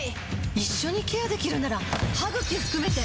一緒にケアできるなら歯ぐき含めて